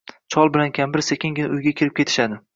Chol bilan kampir sekingina uyga kirib ketishadi